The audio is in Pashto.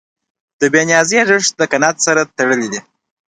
د بېنیازۍ ارزښت د قناعت سره تړلی دی.